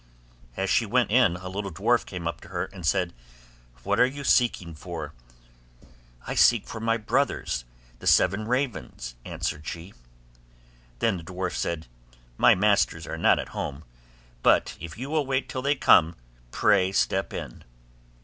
As she went in, a little dwarf came up to her, and said, 'What are you seeking for?' 'I seek for my brothers, the seven ravens,' answered she. Then the dwarf said, 'My masters are not at home; but if you will wait till they come, pray step in.